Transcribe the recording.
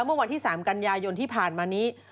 เมื่อวันที่๓กันยายนที่ผ่านมานี้